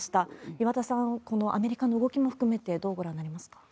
岩田さん、このアメリカの動きも含めて、どうご覧になりますか？